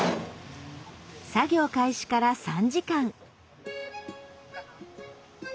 作業開始から３時間。